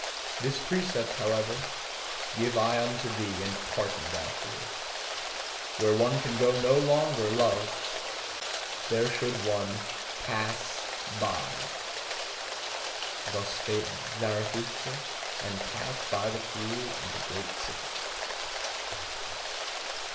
This precept, however, give I unto thee, in parting, thou fool: Where one can no longer love, there should one PASS BY! Thus spake Zarathustra, and passed by the fool and the great city.